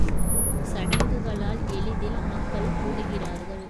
சடங்குகளால் எளிதில் மக்கள் கூடுகிறார்கள்.